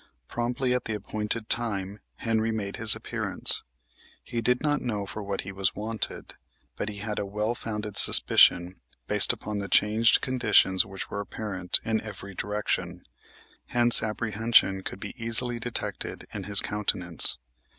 Promptly at the appointed time Henry made his appearance. He did not know for what he was wanted, but he had a well founded suspicion, based upon the changed conditions which were apparent in every direction; hence, apprehension could be easily detected in his countenance.